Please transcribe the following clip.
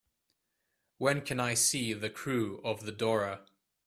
When can I see The Crew of the Dora